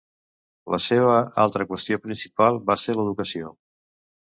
La seva altra qüestió principal va ser l'educació.